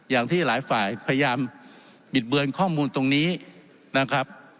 อย่างที่หลายฝ่ายพยายามบิดเบือนข้อมูลตรงนี้นะครับ